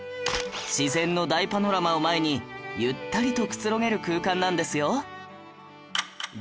自然の大パノラマを前にゆったりとくつろげる空間なんですよ